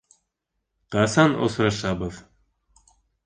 - Ҡасан осрашабыҙ?